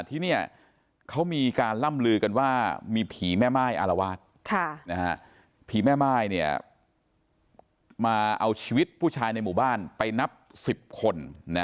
ที่นี่เขามีการล่ำลือกันว่ามีผีแม่ม่ายอารวาสผีแม่ม่ายมาเอาชีวิตผู้ชายในหมู่บ้านไปนับ๑๐คน